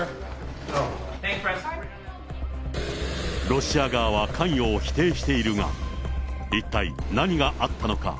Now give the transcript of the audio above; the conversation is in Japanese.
ロシア側は関与を否定しているが、一体、何があったのか。